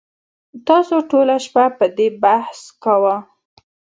تاسو ټوله شپه په دې بحث کاوه